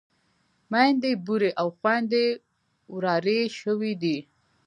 ميندې بورې او خويندې ورارې شوې وې.